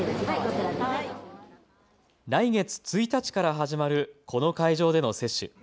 来月１日から始まるこの会場での接種。